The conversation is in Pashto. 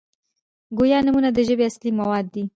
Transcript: ګویا نومونه د ژبي اصلي مواد دي.